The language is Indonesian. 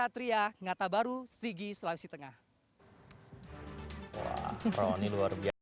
terima kasih selamat tinggal